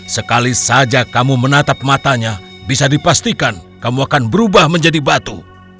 sekali saja kamu menatap matanya bisa dipastikan kamu akan berubah menjadi batu